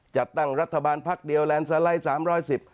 จัดตั้งรัฐบาลภาคเดียวแลนซาไลด์๓๑๐